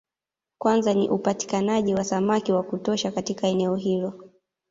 Kwanza ni upatikanaji wa samaki wa kutosha katika eneo hilo